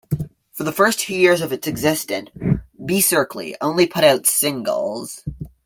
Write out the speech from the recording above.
For the first two years of its existence, Beserkley only put out singles.